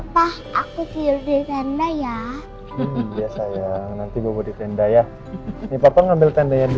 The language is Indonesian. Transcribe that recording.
pak aku tidur di tenda ya nanti gue di tenda ya ini papa ngambil tendanya dulu